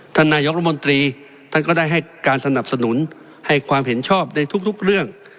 นายกรมนตรีท่านก็ได้ให้การสนับสนุนให้ความเห็นชอบในทุกเรื่อง